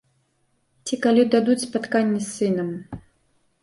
Ці калі дадуць спатканне з сынам.